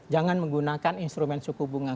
jangan menggunakan instrumen suku bunga